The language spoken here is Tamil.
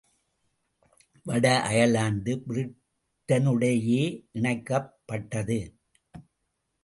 வட அயர்லாந்து பிரிட்டனுடனேயே இணைக்கப்பட்டது.